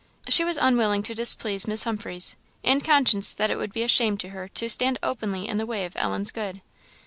She was unwilling to displease Miss Humphreys, and conscious that it would be a shame to her to stand openly in the way of Ellen's good.